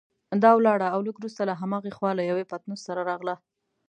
دا ولاړه او لږ وروسته له هماغې خوا له یوه پتنوس سره راغله.